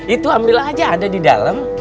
itu ambil aja ada di dalam